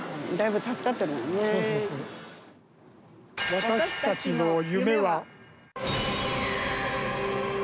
私たちの夢は！